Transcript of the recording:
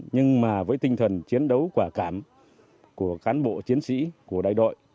nhưng mà với tinh thần chiến đấu quả cảm của cán bộ chiến sĩ của đại đội